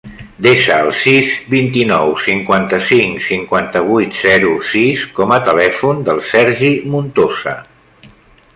Desa el sis, vint-i-nou, cinquanta-cinc, cinquanta-vuit, zero, sis com a telèfon del Sergi Montosa.